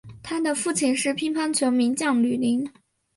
他的父亲是乒乓球名将吕林。